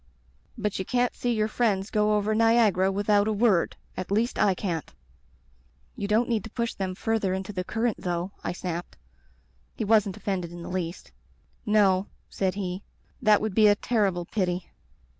*But you can't see your friends go over Niagara without a word; at least I can't.* "*You don't need to push them further into the current, though,' I snapped. He wasn't offended in the least. "*No,' said he. *That would be a terrible pity.'